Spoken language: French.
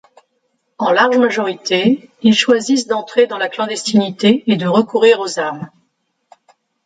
En large majorité, ils choisissent d'entrer dans la clandestinité et de recourir aux armes.